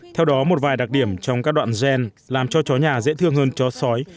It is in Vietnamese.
theo đó một vài đặc điểm trong các đoạn gen làm cho chó nhà dễ thương hơn chó sói